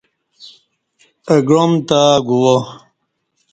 اہ گعام تہ گوا